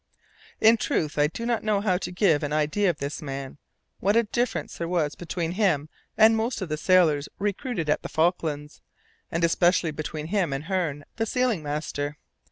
In truth, I do not know how to give an idea of this man! What a difference there was between him and most of the sailors recruited at the Falklands, and especially between him and Hearne, the sealing master!